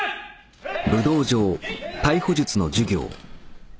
はい。